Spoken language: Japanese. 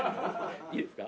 いいですか？